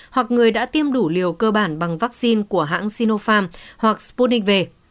hoặc người đã tiêm đủ liều cơ bản bằng vaccine của hãng sinopharm hoặc sputnik v